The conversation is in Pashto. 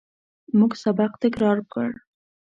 موږ سبق تکرار کړ.